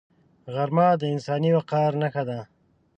غرمه د انساني وقار نښه ده